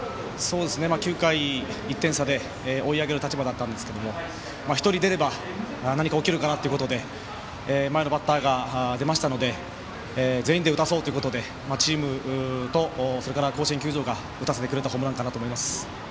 ９回１点差で追い上げる立場だったんですが１人出れば何か起きるかなってことで前のバッターが出ましたので全員で打たそうということでチームと甲子園球場が打たせてくれたホームランかなと思います。